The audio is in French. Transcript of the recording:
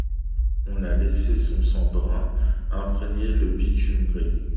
On a laissé son sang brun imprégner le bitume gris.